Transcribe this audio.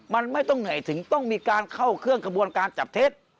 มันไม่ต้องเหนื่อยถึงต้องมีการเข้าเครื่องกระบวนการจับเท็จ